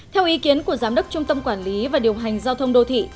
theo ý kiến của giám đốc trung tâm quản lý và điều hành giao thông đô thị